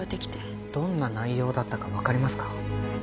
どんな内容だったかわかりますか？